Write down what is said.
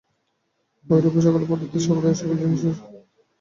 ঐরূপে সকল পদার্থের শব্দাবস্থাটি হচ্ছে ঐসকল জিনিষের সূক্ষ্মাবস্থা।